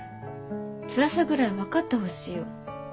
つらさぐらい分かってほしいよ。